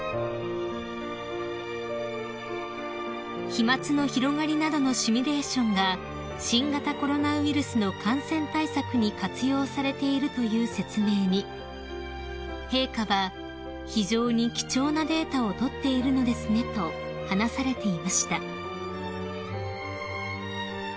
［飛沫の広がりなどのシミュレーションが新型コロナウイルスの感染対策に活用されているという説明に陛下は「非常に貴重なデータを取っているのですね」と話されていました］